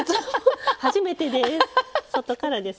初めてです。